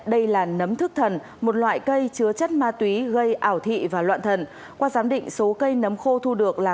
đây là cách mà những người dân nông thôn dùng để bẻ dừa